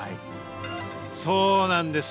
そうなんです